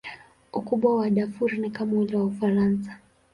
Ukubwa wa Darfur ni kama ule wa Ufaransa.